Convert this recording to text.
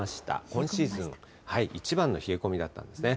今シーズン一番の冷え込みだったんですね。